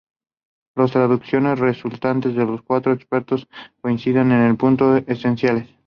Las traducciones resultantes de los cuatro expertos coincidían en todos los puntos esenciales.